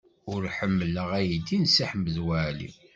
Ur ḥemmleɣ aydi n Si Ḥmed Waɛli.